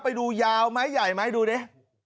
ไปดูยาวไหมใหญ่ไหมดูดิ